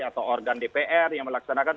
atau organ dpr yang melaksanakan